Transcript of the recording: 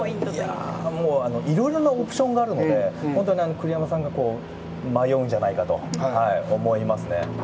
いろいろなオプションがあるので本当に栗山さんが迷うんじゃないかと思いますね。